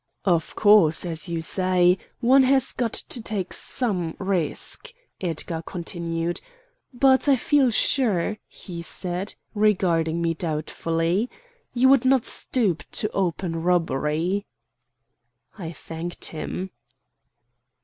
"Of course, as you say, one has got to take some risk," Edgar continued; "but I feel sure," he said, regarding me doubtfully, "you would not stoop to open robbery." I thanked him.